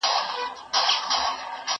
دا بوټونه له هغه پاک دي،